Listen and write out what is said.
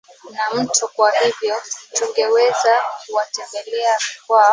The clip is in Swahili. na mto kwa hivyo tungeweza kuwatembelea kwa